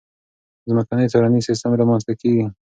ځمکنی څارنیز سیستم رامنځته کېږي.